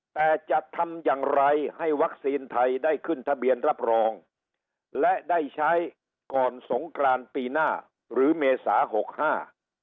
แต่จะทำอย่างไรให้วัคซีนไทยได้ขึ้นทะเบียนรับรองและได้ใช้ก่อนสงกรานปีหน้าหรือเมษาหกห้า